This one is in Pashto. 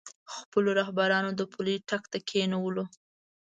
خپلو رهبرانو د پولۍ ټک ته کېنولو.